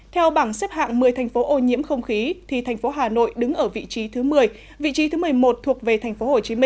theo bảng xếp hạng một mươi thành phố ô nhiễm không khí thành phố hà nội đứng ở vị trí thứ một mươi vị trí thứ một mươi một thuộc về tp hcm